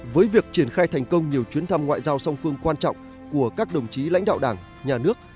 với việc triển khai thành công nhiều chuyến thăm ngoại giao song phương quan trọng của các đồng chí lãnh đạo đảng nhà nước